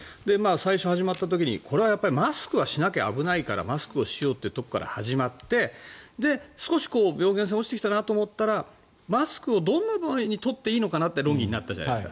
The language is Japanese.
最初、始まった時にこれはマスクをしなきゃ危ないからマスクをしようってところから始まって少し病原性が落ちてきたなと思ったらマスクをどんな場合に取っていいのかという論議になったじゃないですか。